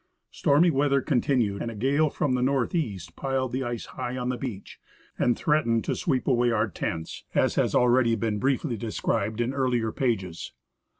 Stormy weather continued, and a gale from the northeast piled the ice high on the beach and threatened to sweep away our tents, as has already been briefly described in earlier pages.